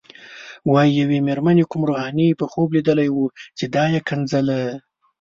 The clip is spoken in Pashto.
وايي یوې مېرمنې کوم روحاني په خوب لیدلی و چې دا یې ښکنځله.